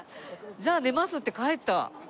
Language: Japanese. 「じゃあ寝ます」って帰った。